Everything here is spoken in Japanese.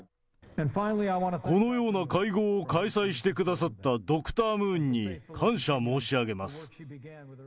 このような会合を開催してくださったドクタームーンに感謝申し上げます。